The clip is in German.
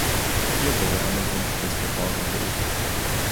Hier wurde eine Wunschliste vorgelegt.